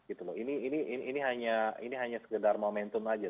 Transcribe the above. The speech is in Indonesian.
ini hanya sekedar momentum saja